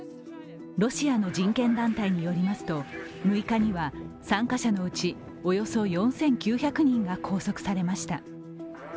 ロシアの人権団体によりますと６日には参加者のうち、およそ４９００人が拘束されました。